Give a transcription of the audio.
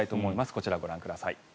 こちらをご覧ください。